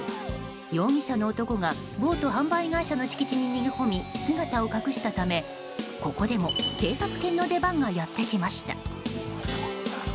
容疑者の男がボート販売会社の敷地に逃げ込み、姿を隠したためここでも警察犬の出番がやってきました。